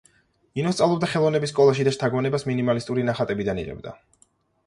ინო სწავლობდა ხელოვნების სკოლაში და შთაგონებას მინიმალისტური ნახატებიდან იღებდა.